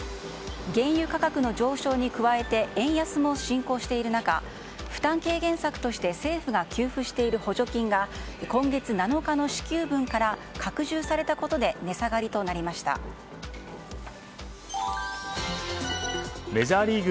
原油価格の上昇に加えて円安も進行している中負担軽減策として政府が給付している補助金が今月７日の支給分から拡充されたことでメジャーリーグ